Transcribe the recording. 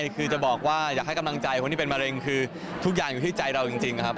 คือจะบอกว่าอยากให้กำลังใจคนที่เป็นมะเร็งคือทุกอย่างอยู่ที่ใจเราจริงครับ